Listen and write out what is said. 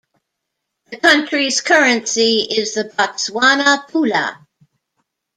The country's currency is the Botswana pula.